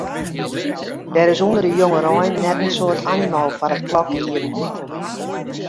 Der is ûnder de jongerein net in soad animo foar it kloklieden.